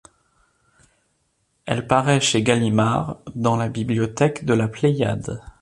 Elle paraît chez Gallimard dans la Bibliothèque de la Pléiade.